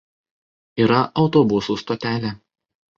Yra autobusų stotelė.